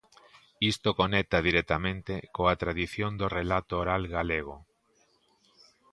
Isto conecta directamente coa tradición do relato oral galego...